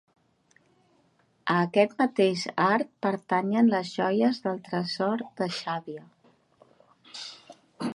A aquest mateix art pertanyen les joies del Tresor de Xàbia.